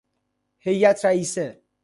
هیئت رئیسه